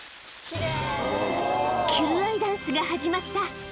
求愛ダンスが始まった。